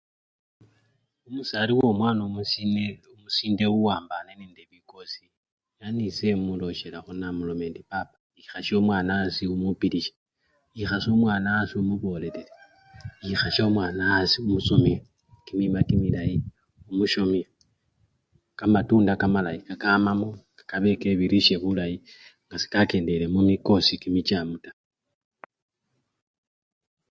Omusasi womwana omusile! omusinde owambane nebikosi yani ese imulosyelakho namuloma endi papa, ikhasya omwana asii omupilisye, ikhasya omwana asii omubolele, ikhasya omwana asii omusomye kimima kimilayi, omusomye kamatunda kamalayi nekamamo kabe kebirisye bulayi nga sekakendele mumikosi kimichamu taa.